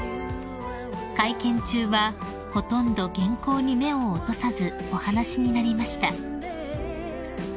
［会見中はほとんど原稿に目を落とさずお話しになりました］